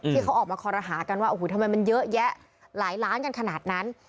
ที่เขาออกมาคอรหากันว่าโอ้โหทำไมมันเยอะแยะหลายล้านกันขนาดนั้น